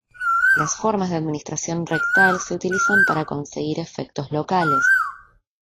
Las formas de administración rectal se utilizan para conseguir efectos locales.